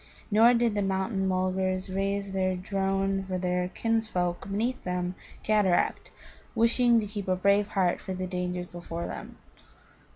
Nor did the mountain mulgars raise their drone for their kinsfolk beneath the cataract, wishing to keep a brave heart for the dangers before them.